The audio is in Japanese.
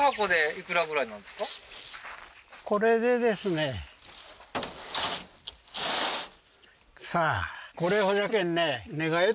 これでですねさあこれほいじゃけんねええー？